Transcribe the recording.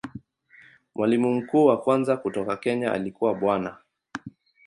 Mwalimu mkuu wa kwanza kutoka Kenya alikuwa Bwana.